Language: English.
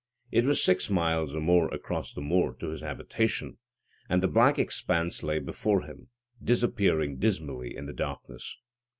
It was six miles or more across the moor to his habitation, and the black expanse lay before him, disappearing dismally in the darkness.